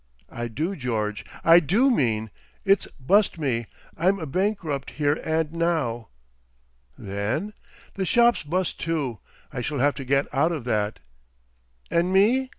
"I do, George. I do mean. It's bust me! I'm a bankrupt here and now." "Then—?" "The shop's bust too. I shall have to get out of that." "And me?"